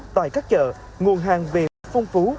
tại các chợ nguồn hàng về phung phú